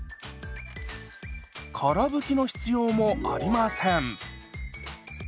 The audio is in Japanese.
から拭きの必要もありません。